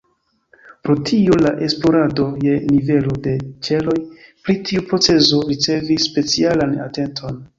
Pro tio la esplorado je nivelo de ĉeloj pri tiu procezo ricevis specialan atenton.